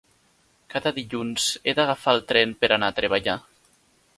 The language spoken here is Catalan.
Cada dilluns he d'agafar el tren per anar a treballar.